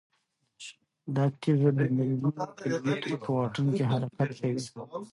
دا تیږه د میلیونونو کیلومترو په واټن کې حرکت کوي.